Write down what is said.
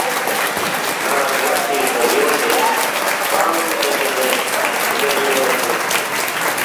نا بلق چیگی کھا بیونگسے قانگ بیاسے تریس ‘‘ چی بید یو’’